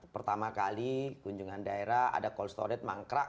pertama kali kunjungan daerah ada cold storage mangkrak